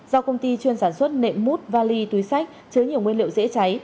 do công ty chuyên sản xuất nệm mút vali túi sách chứa nhiều nguyên liệu dễ cháy